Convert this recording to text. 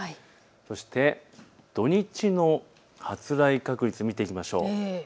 そして土日の発雷確率を見ていきましょう。